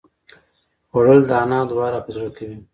خوړل د انا دعا راپه زړه کوي